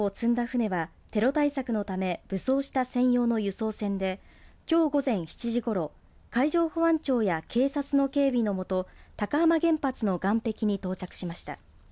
船はテロ対策のため武装した専用の輸送船できょう午前７時ごろ海上保安庁や警察の警備のもと高浜原発の岸壁に到着しました。